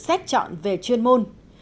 xét chọn về chuyên môn